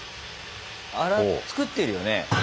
あら作ってるよね。